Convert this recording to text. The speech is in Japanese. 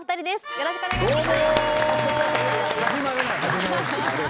よろしくお願いします。